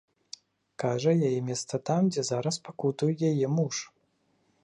Кажа, яе месца там, дзе зараз пакутуе яе муж.